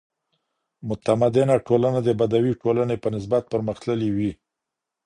متمدنه ټولنه د بدوي ټولني په نسبت پرمختللې وي.